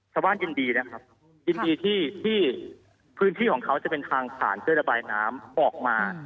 ยินดีนะครับยินดีที่พื้นที่ของเขาจะเป็นทางผ่านช่วยระบายน้ำออกมา